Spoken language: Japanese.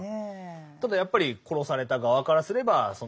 ただやっぱり殺された側からすればその兵士は悪ですよね。